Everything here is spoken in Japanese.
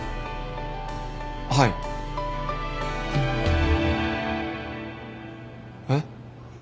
はい。えっ？